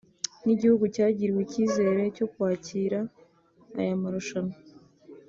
nk’igihugu cyagiriwe icyizere cyo kwakira aya marushanwa